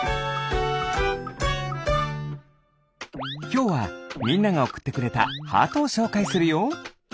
きょうはみんながおくってくれたハートをしょうかいするよ。